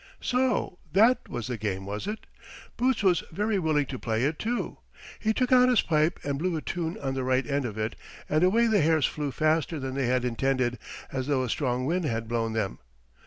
So that was the game, was it? Boots was very willing to play it, too. He took out his pipe and blew a tune on the right end of it, and away the hares flew faster than they had intended, as though a strong wind had blown them.